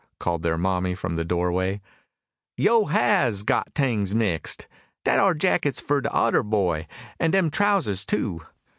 called their mommy from the doorway, "yo' has got tings mixed. Dat ar jackit's fur de odder boy, an' dem trowsus too."